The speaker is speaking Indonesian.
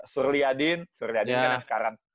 surli adin surli adin kan sekarang